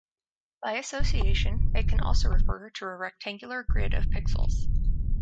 By association, it can also refer to a rectangular grid of pixels.